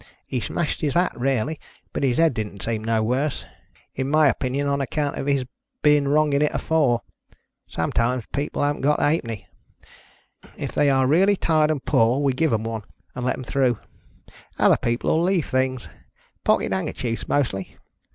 He smashed his hat rarely, but his head didn't seem no worse — in my opinion on account of his being wrong in it afore. Sometimes people haven't got a halfpenny. If they are really tired and poor we give 'em one and let 'em through. Other people will leave things — pocket hand kerchiefs mostly.